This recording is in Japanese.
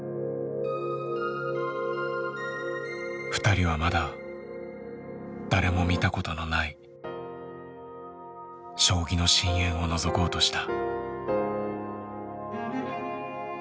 ２人はまだ誰も見たことのない将棋の深淵をのぞこうとした。